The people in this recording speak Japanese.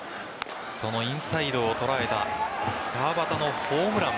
そのインサイドを捉えた川端のホームラン。